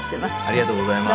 ありがとうございます。